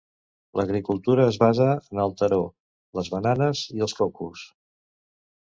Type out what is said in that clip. L'agricultura es basa en el taro, les bananes i els cocos.